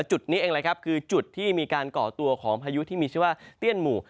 จุดนี้เองเลยครับคือจุดที่มีการก่อตัวของพายุที่มีชื่อว่าเตี้ยนหมู่